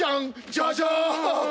ジャジャーン！